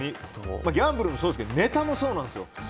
ギャンブルもそうですけどネタもそうなんですよ。